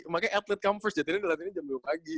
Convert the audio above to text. makanya athlete come first jadinya dia latihan jam lima pagi